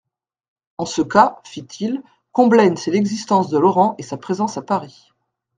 En ce cas, fit-il, Combelaine sait l'existence de Laurent et sa présence à Paris.